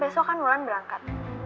besok kan mulan berangkat